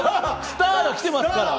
スターが来てますから！